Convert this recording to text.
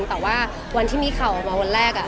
แต่ว่าวันที่มีข่าวออกมาวันแรก